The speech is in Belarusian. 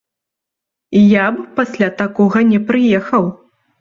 Я б пасля такога не прыехаў.